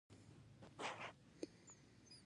او د ژوند د طرز برخه ئې ګرځېدلي وي -